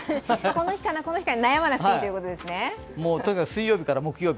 この日かな、この日かな悩まなくていいということですね。